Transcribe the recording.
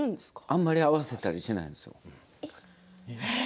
あまり合わせたりしないんですよ。